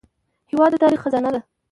هېواد د تاریخ خزانه ده.